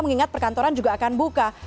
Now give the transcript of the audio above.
mengingat perkantoran juga akan buka